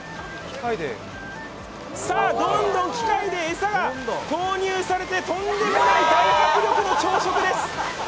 さあ、どんどん機械で餌が投入されてとんでもない大迫力の朝食です。